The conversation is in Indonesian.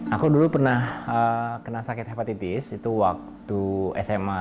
aku dulu pernah kena sakit hepatitis itu waktu sma